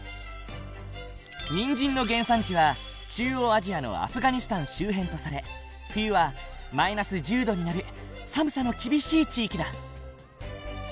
にんじんの原産地は中央アジアのアフガニスタン周辺とされ冬はマイナス１０度になる寒さの厳しい地域だ。